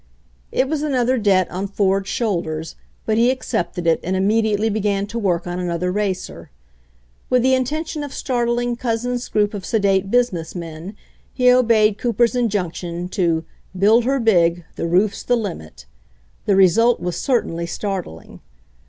It was another debt on Ford's shoulders, but he accepted it and immediately began to work on another racer. With the intention of startling « Couzens's group of sedate business men, he obeyed Cooper's injunction to "build her big — the roof's the limit." The result was certainly startling.